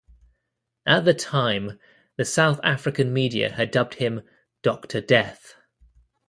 At the time, the South African media had dubbed him "Doctor Death".